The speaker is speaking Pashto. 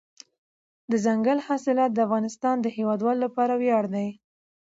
دځنګل حاصلات د افغانستان د هیوادوالو لپاره ویاړ دی.